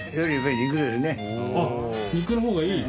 あっ肉の方がいい。